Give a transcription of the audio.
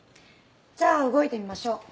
じゃあ動いてみましょう。